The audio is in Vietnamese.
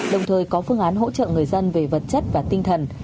đồng thời có phương án hỗ trợ người dân về vật chất và tinh thần